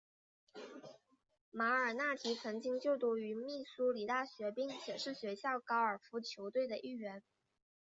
马尔纳提曾经就读于密苏里大学并且是学校高尔夫球队的一员。